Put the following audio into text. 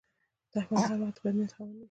دښمن هر وخت د بد نیت خاوند وي